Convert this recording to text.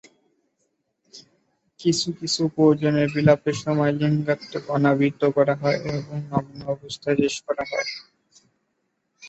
কিছু কিছু প্রযোজনায় বিলাপের সময় লিঙ্গত্বক অনাবৃত করা হয় এবং নগ্ন অবস্থায় শেষ হয়।